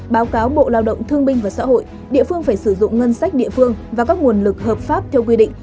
báo cáo bộ lao động thương binh và xã hội địa phương phải sử dụng ngân sách địa phương và các nguồn lực hợp pháp theo quy định